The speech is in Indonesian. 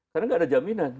karena nggak ada jaminan